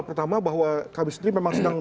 pertama bahwa kami sendiri memang sedang